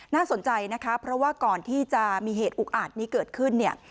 น่าสนใจนะคะเพราะว่าก่อนที่จะมีเหตุอุกอาจนี้เกิดขึ้นเนี่ย